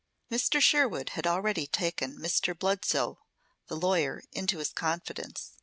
Mr. Sherwood had already taken Mr. Bludsoe, the lawyer, into his confidence.